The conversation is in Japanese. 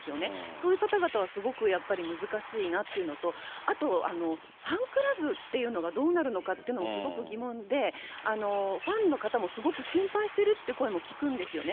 そういう方々は、すごくやっぱり難しいなっていうのと、あと、ファンクラブっていうのがどうなるのかっていうのもすごく疑問で、ファンの方もすごく心配してるっていう声も聞くんですよね。